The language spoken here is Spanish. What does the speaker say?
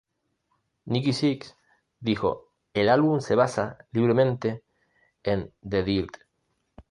Nikki Sixx dijo: "el álbum se basa libremente en The Dirt.